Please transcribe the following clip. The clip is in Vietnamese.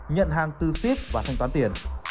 nhận hàng tư ship và thanh toán tiền